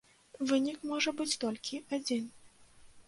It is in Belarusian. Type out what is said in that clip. Вынік можа быць толькі адзін.